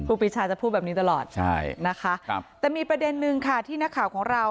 ปีชาจะพูดแบบนี้ตลอดใช่นะคะแต่มีประเด็นนึงค่ะที่นักข่าวของเรา